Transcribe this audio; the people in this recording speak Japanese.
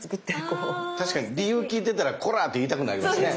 確かに理由聞いてたらコラ！って言いたくなりますね。